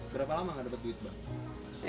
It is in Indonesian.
berapa lama gak dapat uang